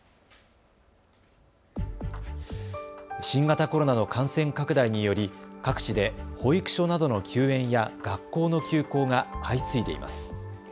新型コロナの感染拡大により各地で保育所などの休園や学校の休校が相次いでいます。